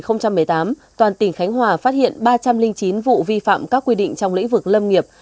năm hai nghìn một mươi tám toàn tỉnh khánh hòa phát hiện ba trăm linh chín vụ vi phạm các quy định trong lĩnh vực lâm nghiệp